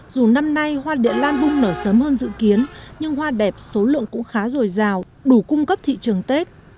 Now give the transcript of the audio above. dù năm nay hoa địa lan bung nở sớm hơn dự kiến nhưng hoa đẹp số lượng cũng khá dồi dào đủ cung cấp thị trường tết